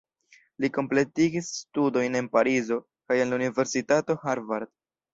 Li kompletigis studojn en Parizo kaj en la Universitato Harvard.